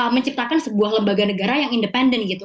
menciptakan sebuah lembaga negara yang independen gitu